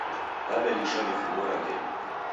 D'aw'elisha mifugho ra kedu